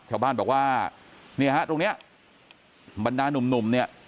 ชาวบ้านบอกว่าเนี่ยฮะตรงนี้บรรดาหนุ่มเนี่ย